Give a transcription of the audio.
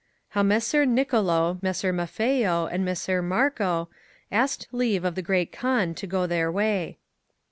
How Messer Nicolo, Messer Maffeo, and Messer Marco, asked LEAVE OF THE GrEAT KaAN TO GO THEIR WAY.